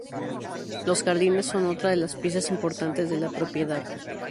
Los jardines son otra de las piezas importantes de la propiedad.